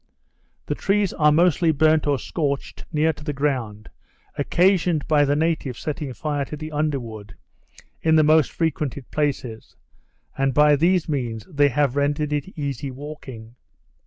The trees are mostly burnt or scorched, near the ground, occasioned by the natives setting fire to the under wood, in the most frequented places; and by these means they have rendered it easy walking.